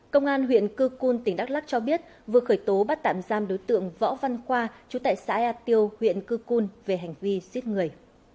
công an huyện cư cun tỉnh đắk lắc cho biết vừa khởi tố bắt tạm giam đối tượng võ văn khoa chú tại xã ea tiêu huyện cư cun về hành vi giết người